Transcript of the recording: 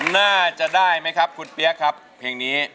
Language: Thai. น่าจะได้ไหมครับคุณเปี๊ยกครับเพลงนี้